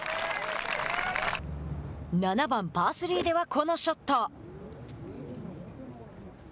７番、パー３ではこのショット。